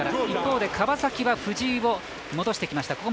一方で川崎は藤井を戻してきました。